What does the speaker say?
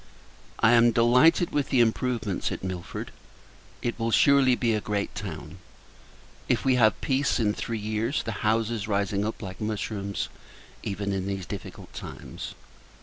I am delighted with the improvements at Milford. It will surely be a great town, if we have peace, in three years; the houses rising up, like mushrooms, even in these difficult times.